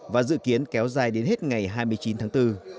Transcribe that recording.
và dự kiến kéo dài đến hết ngày hai mươi chín tháng bốn